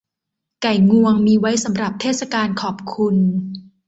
ไก่งวงมีไว้สำหรับเทศกาลขอบคุณ